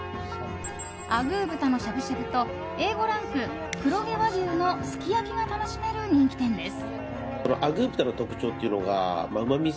あぐー豚のしゃぶしゃぶとＡ５ランク黒毛和牛のすき焼きが楽しめる人気店です。